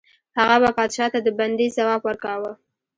هغه به پادشاه ته د بندي ځواب ورکاوه.